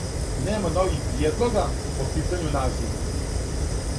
Нема нових приједлога по питању назива.